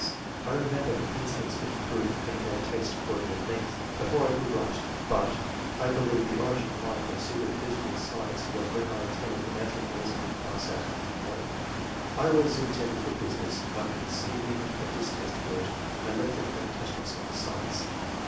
] I remember [incidents which proved an innate taste quoted at length] before I could write, [but] I believe the origin of my pur suit of physical science was when I attended the natural philosophy class at ,... I was intend ed for business, but conceiving a distaste for it, I left it and attached myself to science."